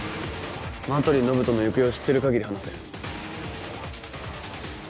麻取延人の行方を知ってるかぎり話せ。